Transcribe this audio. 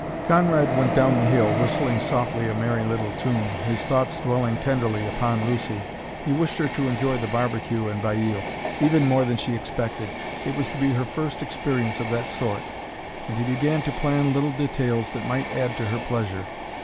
Conrad went down the hill, whistling softly a merry little tune, his thoughts dwelling tenderly upon Lucy. He wished her to enjoy the barbecue and baile even more than she expected it was to be her first experience of that sort and he began to plan little details that might add to her pleasure.